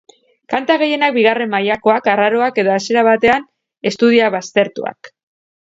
Kanta gehienak bigarren mailakoak, arraroak edo hasiera batean estudioak baztertuak.